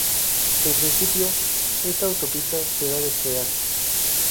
En principio, esta autopista será de peaje.